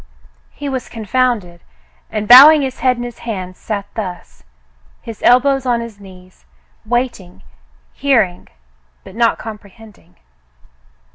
He was confounded, and bowing his head in his hands sat thus — his elbows on his knees — waiting, hearing, but not comprehending.